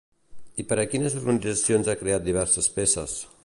I per a quines organitzacions ha creat diverses peces?